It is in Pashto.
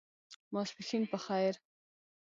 ماسپښېن په خیر !